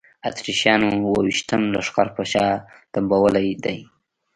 اتریشیانو اوه ویشتم لښکر په شا تنبولی دی.